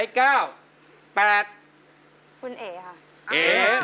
อย่างนี้๙